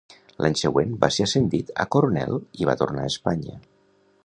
A l'any següent va ser ascendit a coronel i va tornar a Espanya.